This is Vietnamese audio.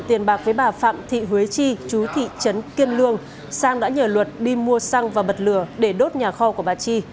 tiền bạc với bà phạm thị huế chi chú thị trấn kiên lương sang đã nhờ luật đi mua xăng và bật lửa để đốt nhà kho của bà chi